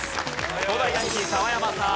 東大ヤンキー澤山さん。